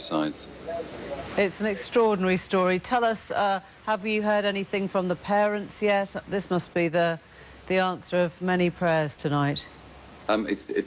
ใช่มี๒ผู้ดรงการชอบพวกมันประชาชนัด